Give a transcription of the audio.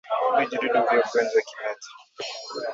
Vijidudu vya ugonjwa wa kimeta